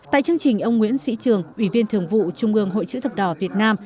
tại chương trình ông nguyễn sĩ trường ủy viên thường vụ trung ương hội chữ thập đỏ việt nam